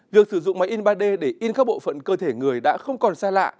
việc sử dụng máy in ba d để in các bộ phận cơ thể người đã không còn xa lạ